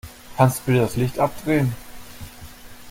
Kannst du bitte das Licht abdrehen?